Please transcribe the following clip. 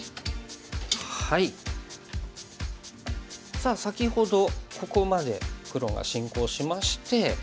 さあ先ほどここまで黒が進行しまして。